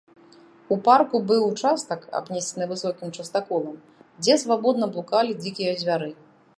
У парку быў участак, абнесены высокім частаколам, дзе свабодна блукалі дзікія звяры.